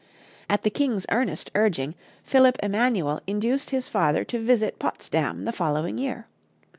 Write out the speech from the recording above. At the king's earnest urging, Philipp Emanuel induced his father to visit Potsdam the following year.